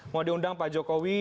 mau diundang pak jokowi